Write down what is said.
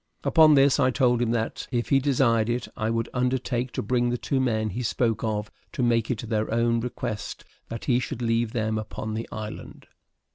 Upon this, I told him that, if he desired it, I would undertake to bring the two men he spoke of to make it their own request that he should leave them upon the island.